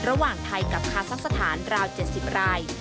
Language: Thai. ระหว่างไทยกับคาซักสถานราว๗๐ราย